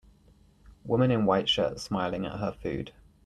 Woman in white shirt smiling at her food.